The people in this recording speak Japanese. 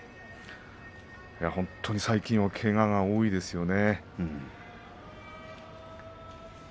本当に最近はけがが多いですよね。